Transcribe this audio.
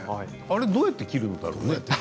あれはどうやって切るんだろうね。